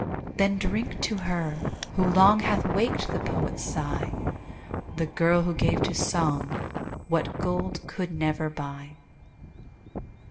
Then drink to her, who long Hath waked the poet's sigh, The girl, who gave to song What gold could never buy.